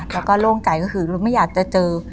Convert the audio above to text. แล้วก็โล่งใจก็คือไม่อยากจะเจอ